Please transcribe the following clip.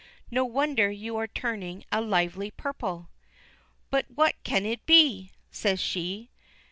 No wonder you are turning a lively purple." "But what can it be?" says she.